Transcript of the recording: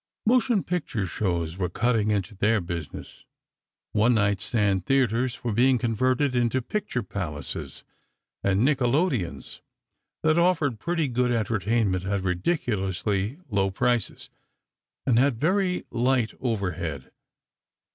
Motion picture shows were cutting into their business. One night stand theatres were being converted into "picture palaces," and "nickelodeons," that offered pretty good entertainment at ridiculously low prices, and had very light "overhead."